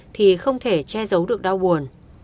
thì không thể che giấu được đau buồn